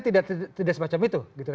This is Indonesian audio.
trennya tidak semacam itu